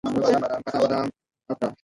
বরকত সাহেব বললেন, এখন কেমন লাগছে?